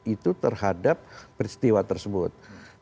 itu terhadap peristiwa tersebut